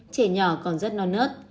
trẻ nhỏ còn rất non nớt